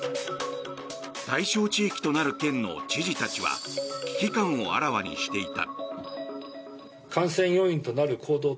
対象地域となる県の知事たちは危機感をあらわにしていた。